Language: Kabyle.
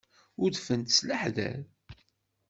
Udfent-d s leḥder.